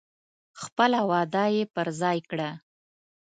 خپله وعده یې پر ځای کړه.